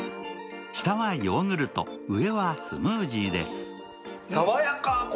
下はヨーグルト、上はスムージーです。